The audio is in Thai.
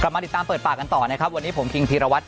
มาติดตามเปิดปากกันต่อนะครับวันนี้ผมคิงพีรวัตร